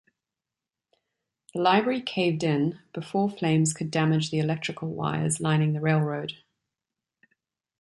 The library caved in before flames could damage the electrical wires lining the railroad.